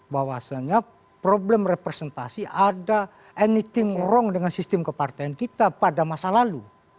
bahwasanya problem representasi ada anything wrong dengan sistem kepartean kita pada masa lalu